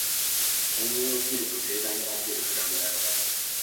大見得を切ると盛大にこけるフラグだよ